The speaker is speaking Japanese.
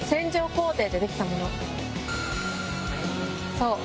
そう！